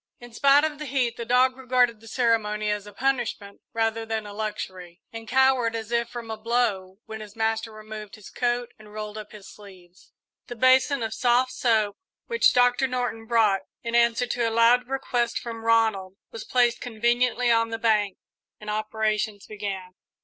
In spite of the heat the dog regarded the ceremony as a punishment rather than a luxury, and cowered as if from a blow when his master removed his coat and rolled up his sleeves. The basin of soft soap which Doctor Norton brought, in answer to a loud request from Ronald, was placed conveniently on the bank and operations began.